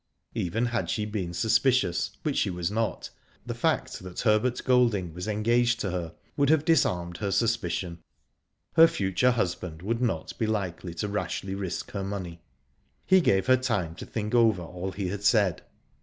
Even had she been suspicious, which she was not, the fact that Herbert Gold ing was engaged to her would have disarmed her suspicion. Her future husband would not be likely to rashly risk her money. He gave her time to think over all he had said.